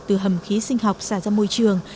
từ hầm khí sinh học xả ra môi trường